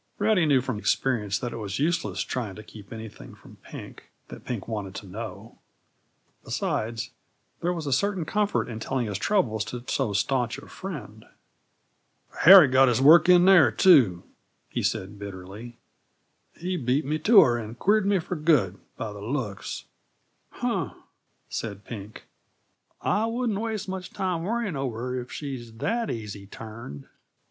Rowdy knew from experience that it was useless trying to keep anything from Pink that Pink wanted to know; besides, there was a certain comfort in telling his troubles to so stanch a friend. "Harry got his work in there, too," he said bitterly. "He beat me to her and queered me for good, by the looks." "Huh!" said Pink. "I wouldn't waste much time worrying over her, if she's that easy turned."